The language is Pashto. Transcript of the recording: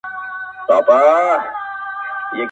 چي ډېر غواړي جنگونه، هغه ډېر کوي ودونه.